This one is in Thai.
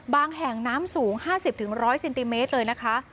แห่งน้ำสูง๕๐๑๐๐เซนติเมตรเลยนะคะ